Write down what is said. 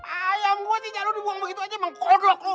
ayam gue jahat lo dibuang begitu aja emang kodok lo